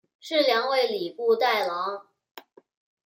事梁为礼部侍郎。